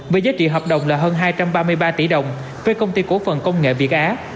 với giá trị hợp đồng là hơn hai trăm ba mươi ba tỷ đồng với công ty cổ phần công nghệ việt á